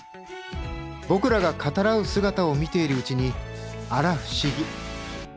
僕らが語らう姿を見ているうちにあら不思議。